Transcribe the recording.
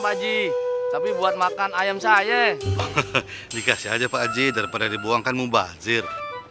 tapi buat makan ayam saya dikasih aja pak haji daripada dibuangkan mubazir